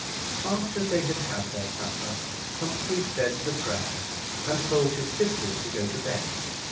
After they had had their supper, Humphrey said the prayers, and told his sisters to go to bed.